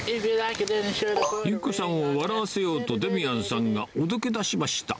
由希子さんを笑わせようと、デミアンさんがおどけだしました。